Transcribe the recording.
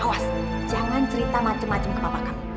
awas jangan cerita macem macem ke papa kamu